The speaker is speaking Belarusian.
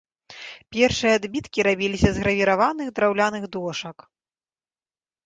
Першыя адбіткі рабіліся з гравіраваных драўляных дошак.